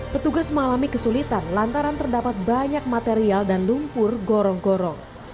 petugas mengalami kesulitan lantaran terdapat banyak material dan lumpur gorong gorong